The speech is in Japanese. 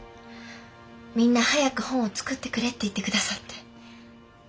みんな早く本を作ってくれって言って下さって。